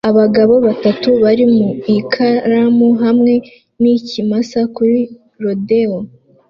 Abagabo batatu bari mu ikaramu hamwe n'ikimasa kuri rodeo